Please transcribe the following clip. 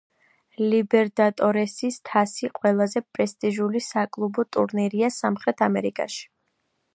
ლიბერტადორესის თასი ყველაზე პრესტიჟული საკლუბო ტურნირია სამხრეთ ამერიკაში.